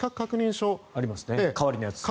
証代わりのやつ